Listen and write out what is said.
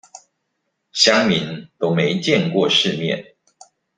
鄉民都沒見過世面